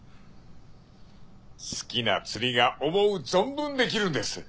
好きな釣りが思う存分できるんです。